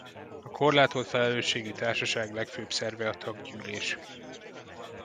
A korlátolt felelősségű társaság legfőbb szerve a taggyűlés.